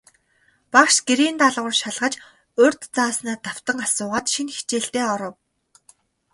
Багш гэрийн даалгавар шалгаж, урьд зааснаа давтан асуугаад, шинэ хичээлдээ оров.